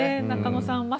中野さん